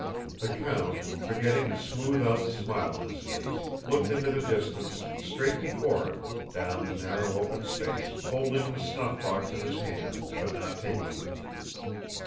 The count, forgetting to smooth out the smile on his face, looked into the distance straight before him, down the narrow open space, holding the snuffbox in his hand but not taking any.